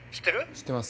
知ってます。